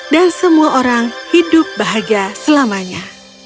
dan semua orang hidup bahagia selamanya